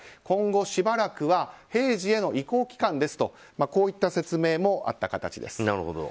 今後しばらくは平時への移行期間ですとこういった説明もあった形です。